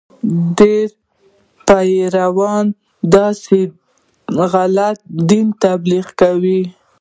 ډېرو پیرانو داسې غلط دیني تبلیغات کول.